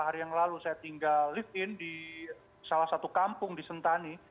hari yang lalu saya tinggal live in di salah satu kampung di sentani